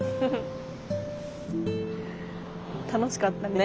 楽しかったね。ね！